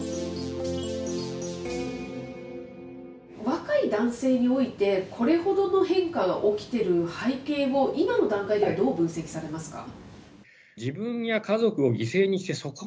若い男性において、これほどの変化が起きてる背景を、今の段階ではどう分析されますか？